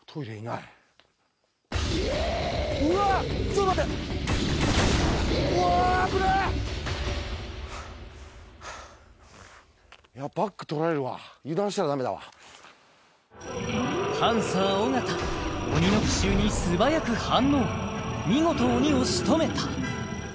いやバックとられるわパンサー・尾形鬼の奇襲に素早く反応見事鬼を仕留めた